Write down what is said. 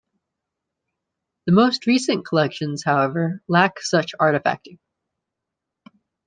The most recent collections, however, lack such artifacting.